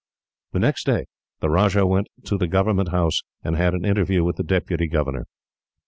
The next day, the Rajah went to the Government House, and had an interview with the deputy governor.